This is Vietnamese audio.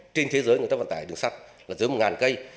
trên thế giới người ta vận tải đường sắt là dưới một cây